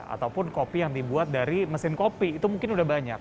ataupun kopi yang dibuat dari mesin kopi itu mungkin sudah banyak